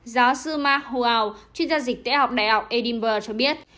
giáo sư mark hual chuyên gia dịch tế học đại học edinburgh cho biết